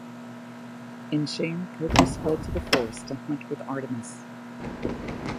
In shame Procris fled to the forest, to hunt with Artemis.